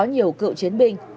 có nhiều cựu chiến binh